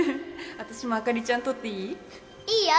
私も朱莉ちゃん撮っていい？いいよ！